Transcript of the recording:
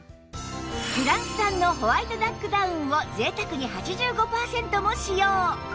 フランス産のホワイトダックダウンを贅沢に８５パーセントも使用